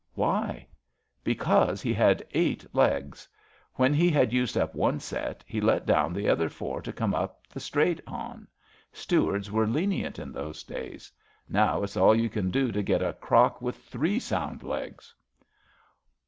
*'*^ Why? *'*^ Because he had eight legs. When he had used up one set, he let down the other four to come up the straight on. Stewards were lenient in those days. Now it's all you can do to get a crock with three sound legs.''